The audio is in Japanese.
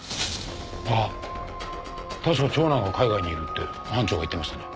あっ確か長男は海外にいるって班長が言ってましたね。